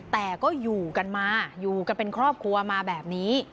แต่ก็อยู่กันมาอยู่กันเป็นครอบครัวมาแบบนี้